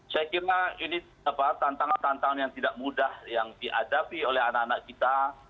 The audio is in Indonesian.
saya kira ini tantangan tantangan yang tidak mudah yang dihadapi oleh anak anak kita